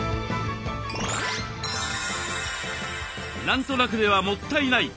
「何となく」ではもったいない！